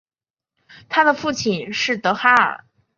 她的父亲是德哈尔。